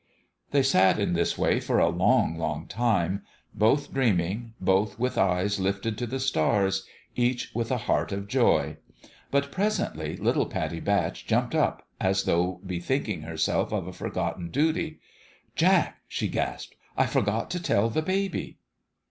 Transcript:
They sat in this way for a long, long time, both dreaming, both with eyes lifted to the stars, each with a heart of joy; but presently little Pattie Batch jumped up, as though bethinking herself of a forgotten duty, "Jack," she gasped, "I forgot to tell the baby."